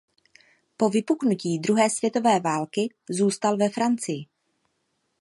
Po vypuknutí druhé světové války zůstal ve Francii.